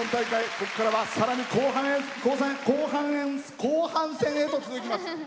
ここからは後半戦へと続きます。